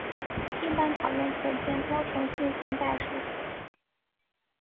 一般讨论可见多重线性代数。